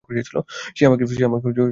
সে আমাকে এখানে ডেকেছে।